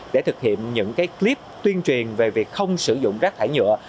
để thực hiện những clip tuyên truyền về việc không sử dụng rác thải nhựa